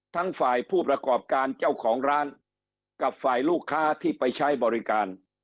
ทั้งฝ่ายผู้ประกอบการเจ้าของร้านกับฝ่ายลูกค้าที่ไปใช้บริการ